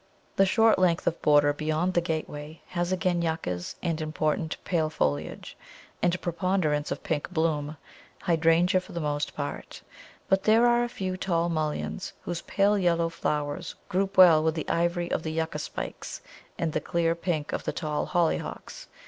The short length of border beyond the gateway has again Yuccas and important pale foliage, and a preponderance of pink bloom, Hydrangea for the most part; but there are a few tall Mulleins, whose pale yellow flowers group well with the ivory of the Yucca spikes and the clear pink of the tall Hollyhocks.